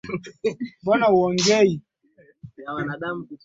a watu wanakwambia fanya hichi haufanyi unawa